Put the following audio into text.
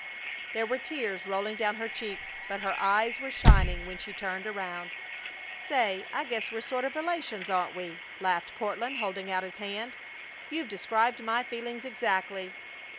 There were tears rolling down her cheeks, but her eyes were shining when she turned around. "Say, I guess we're sort of relations, aren't we?" laughed Courtland, holding out his hand. "You've described my feelings exactly."